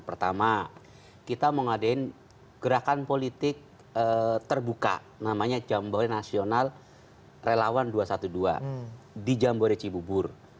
pertama kita mengadakan gerakan politik terbuka namanya jambore nasional relawan dua ratus dua belas di jambore cibubur